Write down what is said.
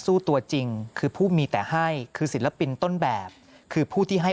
ตัวจริงคือผู้มีแต่ให้คือศิลปินต้นแบบคือผู้ที่ให้